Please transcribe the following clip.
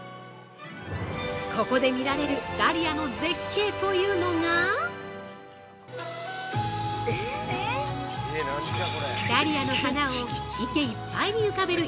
ここで見られるダリアの絶景というのがダリアの花を池いっぱいに浮かべる